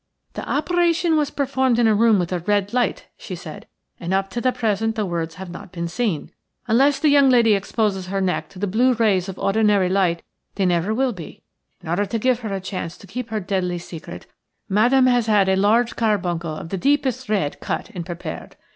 "The operation was performed in a room with a red light," she said, "and up to the present the words have not been seen. Unless the young lady exposes her neck to the blue rays of ordinary light they never will be. In order to give her a chance to keep her deadly secret Madame has had a large carbuncle of the deepest red cut and prepared.